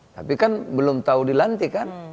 tapi kan belum tahu dilantik kan